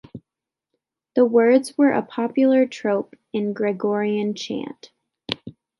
The words were a popular trope in Gregorian chant.